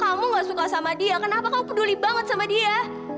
kamu gak suka sama dia kenapa kamu peduli banget sama dia